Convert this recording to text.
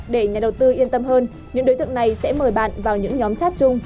để nhà đầu tư yên tâm hơn những đối tượng này sẽ mời bạn vào những nhóm chat chung